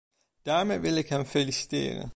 Daarmee wil ik hem feliciteren.